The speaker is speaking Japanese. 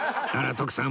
徳さん